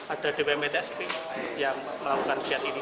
ada dpm btsp yang melakukan kegiatan ini